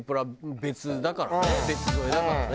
別添えだからね。